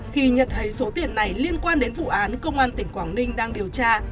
khi nhận thấy số tiền này liên quan đến vụ án công an tỉnh quảng ninh đang điều tra